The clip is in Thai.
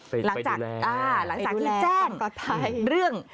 ไปดูแลไปดูแลต้องกดไทยหลังจากที่แจ้นเรื่อง